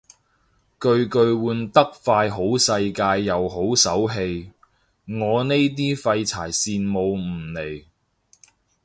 巨巨換得快好世界又好手氣，我呢啲廢柴羨慕唔嚟